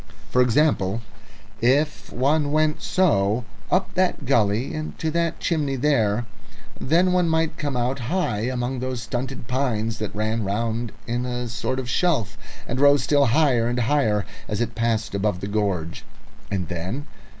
For example, if one went so, up that gully and to that chimney there, then one might come out high among those stunted pines that ran round in a sort of shelf and rose still higher and higher as it passed above the gorge. And then?